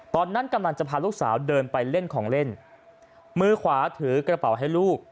ตอนนั้นกำลังจะพาลูกสาวเดินไปเล่นของเล่นมือขวาถือกระเป๋าให้ลูก